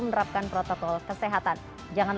menerapkan protokol kesehatan jangan